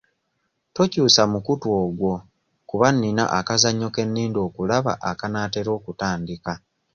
Tokyusa mukutu ogwo kuba nina akazannyo ke ninda okulaba akanaatera okutandika.